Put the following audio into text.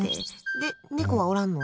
で、猫はおらんの？